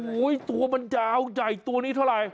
โอ้โหตัวมันยาวใหญ่ตัวนี้เท่าไหร่